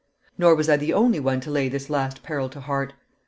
Nor was I the only one to lay this last peril to heart.